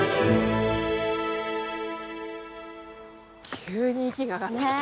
急に息が上がってきたよ。